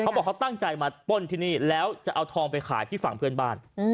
บอกเขาตั้งใจมาป้นที่นี่แล้วจะเอาทองไปขายที่ฝั่งเพื่อนบ้าน